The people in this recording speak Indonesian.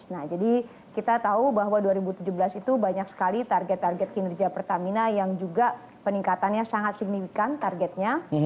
nah jadi kita tahu bahwa dua ribu tujuh belas itu banyak sekali target target kinerja pertamina yang juga peningkatannya sangat signifikan targetnya